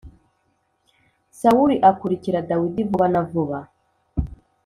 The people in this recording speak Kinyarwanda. Sawuli akurikira Dawidi vuba na vuba